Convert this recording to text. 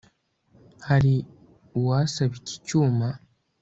Hari uwasaba iki cyuma